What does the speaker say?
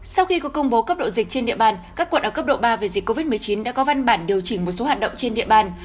sau khi có công bố cấp độ dịch trên địa bàn các quận ở cấp độ ba về dịch covid một mươi chín đã có văn bản điều chỉnh một số hoạt động trên địa bàn